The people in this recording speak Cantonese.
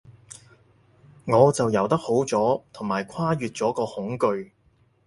我就游得好咗，同埋跨越咗個恐懼